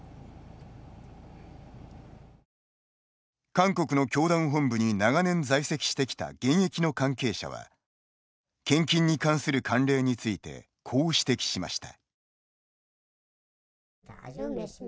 韓国の教団本部に長年在籍してきた現役の関係者は献金に関する慣例についてこう指摘しました。